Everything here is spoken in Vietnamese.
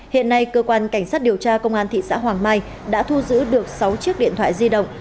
hiện nay cơ quan cảnh sát điều tra công an thị xã hoàng mai đã thu giữ được sáu chiếc điện thoại di động